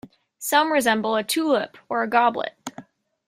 Some resemble a tulip or a goblet.